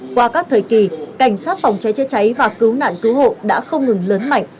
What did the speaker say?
qua các thời kỳ cảnh sát phòng cháy chữa cháy và cứu nạn cứu hộ đã không ngừng lớn mạnh